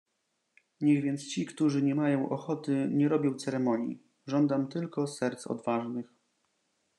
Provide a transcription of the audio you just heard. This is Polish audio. "Niech więc ci, którzy niemają ochoty, nie robią ceremonii; żądam tylko serc odważnych."